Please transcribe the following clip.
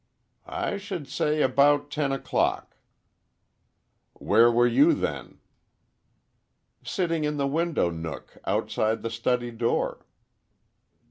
"I should say about ten o'clock." "Where were you, then?" "Sitting in the window nook outside the study door."